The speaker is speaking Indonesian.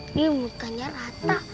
ini mukanya rata